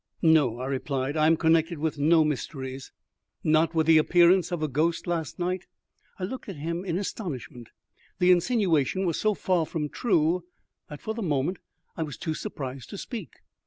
"No," I replied. "I am connected with no mysteries." "Not with the appearance of the ghost last night?" I looked at him in astonishment. The insinuation was so far from true that for the moment I was too surprised to speak.